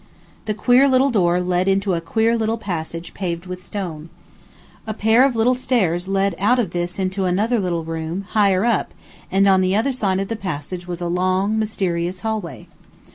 The queer little door led into a queer little passage paved with stone. A pair of little stairs led out of this into another little room, higher up, and on the other side of the passage was a long, mysterious hallway.